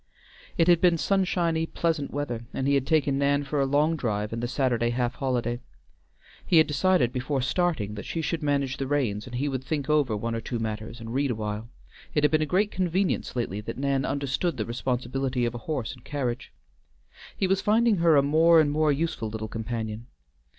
It had been sunshiny, pleasant weather, and he had taken Nan for a long drive in the Saturday half holiday. He had decided, before starting, that she should manage the reins and he would think over one or two matters and read a while; it had been a great convenience lately that Nan understood the responsibility of a horse and carriage. He was finding her a more and more useful little companion.